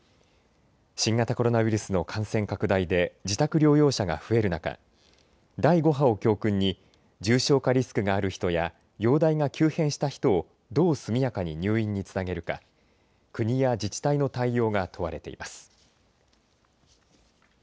新型コロナウイルスの感染拡大で自宅療養者が増える中、第５波を教訓に重症化リスクがある人や容体が急変した人をどう速やかに入院につなげるか国や自治体の対応が問われています。